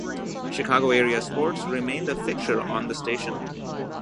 Chicago-area sports remained a fixture on the station.